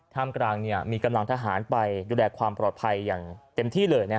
กลางมีกำลังทหารไปดูแลความปลอดภัยอย่างเต็มที่เลย